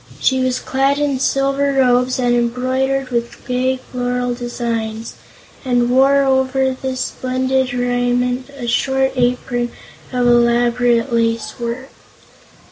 She was clad in silver robes embroidered with gay floral designs, and wore over this splendid raiment a short apron of elaborate lace work.